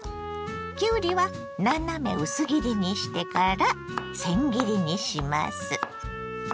きゅうりは斜め薄切りにしてからせん切りにします。